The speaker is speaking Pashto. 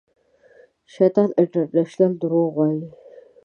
شیطان انټرنېشنل درواغ وایي